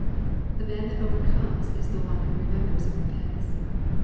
The man that overcomes is the one who re members and repents.